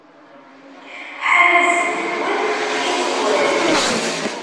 Ḥala zzit-nwen i d-yegran.